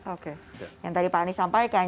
oke yang tadi pak anies sampaikan